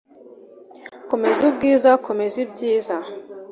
Komeza ubwiza, komeza ibyiza